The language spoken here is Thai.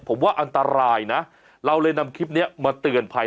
ผมว่าอันตรายนะเราเลยนำคลิปนี้มาเตือนภัย